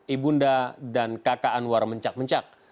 ibunda dan kakak anwar mencak mencak